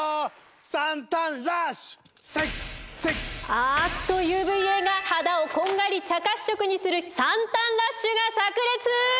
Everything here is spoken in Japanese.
あっとＵＶーＡが肌をこんがり茶褐色にするサンタンラッシュがさく裂！